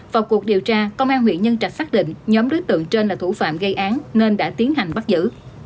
vào cuộc điều tra công an huyện nhân trạch xác định nhóm đối tượng trên là thủ phạm gây án nên đã tiến hành bắt giữ